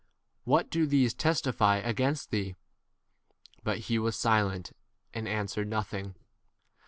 What do these testify 61 against thee ? But he was silent, and answered nothing.